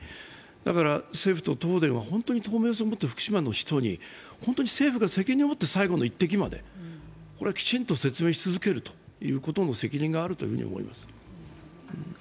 だから政府と東電は本当に透明性を持って福島の人に本当に政府が責任をもって最後の１滴まできちんと説明し続ける責任があると思います。